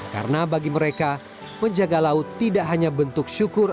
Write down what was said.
karena bagi mereka menjaga laut tidak hanya bentuk syukur